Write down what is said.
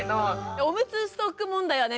おむつストック問題はね